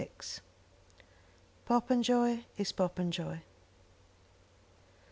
POPENJOY IS POPENJOY.